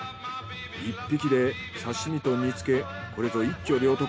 １匹で刺身と煮付けこれぞ一挙両得。